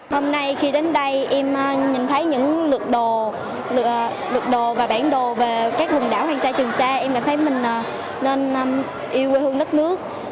hôm nay khi đến đây em nhìn thấy những lượt đồ và bản đồ về các vùng đảo hoàng sa trường sa em cảm thấy mình nên yêu quê hương đất nước